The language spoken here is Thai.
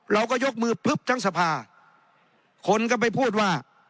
เราก็ยกมือพึบทั้งสภาคนก็ไปพูดว่า